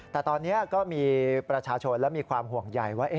แต่ตอนนี้ก็มีประชาชนและมีความห่วงใยว่า